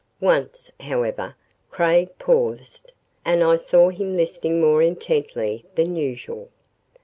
Once, however, Craig paused and I saw him listening more intently than usual.